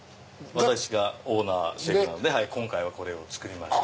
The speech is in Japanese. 私がオーナーシェフなんで今回はこれを作りました。